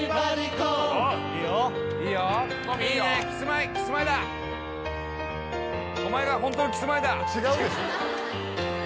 トミーいいよいいねキスマイだお前がホントのキスマイだ違うでしょ